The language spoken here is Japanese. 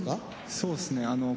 そうっすね。